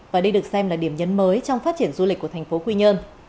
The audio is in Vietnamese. và đây được xem là điểm nhấn mới trong phát triển du lịch của tp quy nhơn